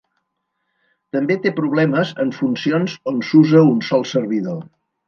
També té problemes en funcions on s'usa un sol servidor.